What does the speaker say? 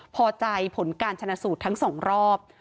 พอใจผลการชนะสูตรทั้งสองรอบ